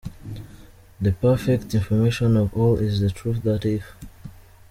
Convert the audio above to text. The perfect information of all is the truth that if .